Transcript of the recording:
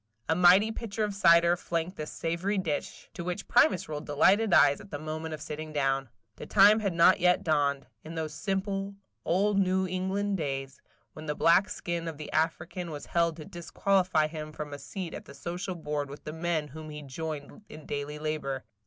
A mighty pitcher of cider flanked this savory dish, to which Primus rolled delighted eyes at the moment of sitting down. The time had not yet dawned, in those simple, old New England days, when the black skin of the African was held to disqualify him from a seat at the social board with the men whom he joined in daily labor.